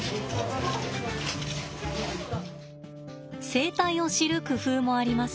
生態を知る工夫もあります。